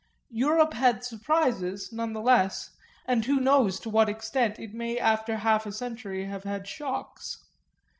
Europe had surprises, none the less, and who knows to what extent it may after half a century have had shocks?